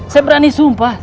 saya berani sumpah